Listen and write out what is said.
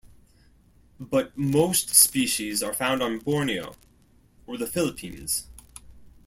But most species are found on Borneo or the Philippines.